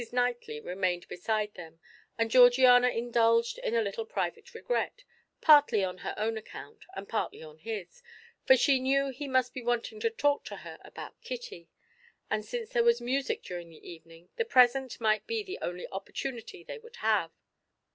Knightley remained beside them, and Georgiana indulged in a little private regret, partly on her own account and partly on his, for she knew he must be wanting to talk to her about Kitty, and since there was music during the evening, the present might be the only opportunity they would have.